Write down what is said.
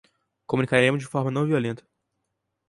Comunicaremos de forma não violenta